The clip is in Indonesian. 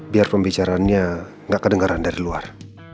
biar pembicaranya gak kedengaran dari luar